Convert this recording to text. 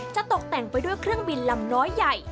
ตกแต่งไปด้วยเครื่องบินลำน้อยใหญ่